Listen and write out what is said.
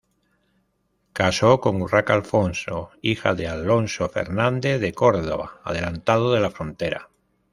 Casó con Urraca Alfonso, hija de Alonso Fernández de Córdoba, adelantado de la Frontera.